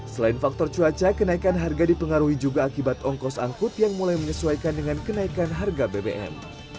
selain faktor cuaca kenaikan harga dipengaruhi juga akibat ongkos angkut yang mulai menyesuaikan dengan kenaikan harga bbm